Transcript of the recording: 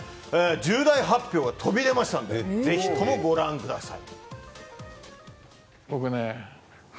重大発表が飛び出ましたのでぜひとも、ご覧ください。